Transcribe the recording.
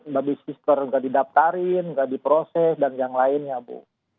babi sister nggak didaftarin nggak diproses dan yang lainnya bu